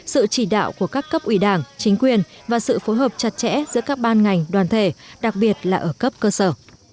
sự chỉ đạo của các cấp ủy đảng chính quyền và sự phối hợp chặt chẽ giữa các ban ngành đoàn thể đặc biệt là ở cấp cơ sở